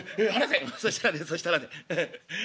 「そしたらねそしたらねヘヘッ。